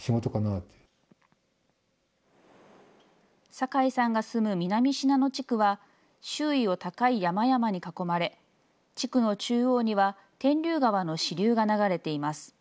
酒井さんが住む南信濃地区は、周囲を高い山々に囲まれ、地区の中央には天竜川の支流が流れています。